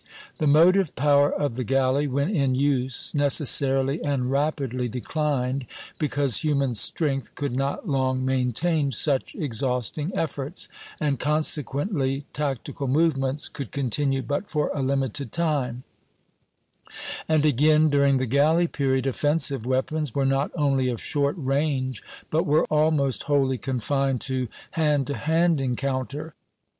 The motive power of the galley when in use necessarily and rapidly declined, because human strength could not long maintain such exhausting efforts, and consequently tactical movements could continue but for a limited time; and again, during the galley period offensive weapons were not only of short range, but were almost wholly confined to hand to hand encounter.